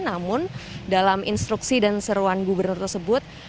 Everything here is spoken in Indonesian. namun dalam instruksi dan seruan gubernur tersebut